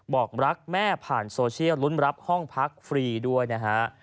บอกรักแม่ผ่านโซเชียลลุ้นรับห้องพักฟรีด้วยนะฮะ